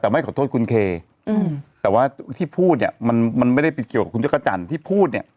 แต่ไม่ขอโทษคุณเคอืมแต่ว่าที่พูดเนี่ยมันมันไม่ได้ไปเกี่ยวกับคุณจักรจันทร์ที่พูดเนี่ย